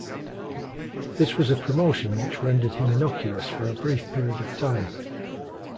This was a promotion which rendered him innocuous for a brief period of time.